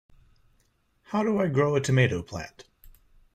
How do I grow a tomato plant?